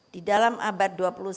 di dalam abad dua puluh satu